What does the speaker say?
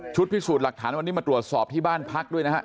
พิสูจน์หลักฐานวันนี้มาตรวจสอบที่บ้านพักด้วยนะฮะ